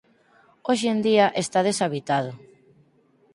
Hoxe en día está deshabitado.